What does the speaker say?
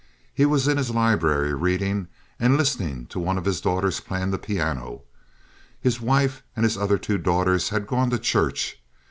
He was in his library reading and listening to one of his daughters playing the piano. His wife and his other two daughters had gone to church.